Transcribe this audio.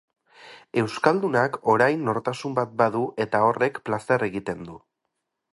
Euskaldunak orain nortasun bat badu eta horrek plazer egiten du.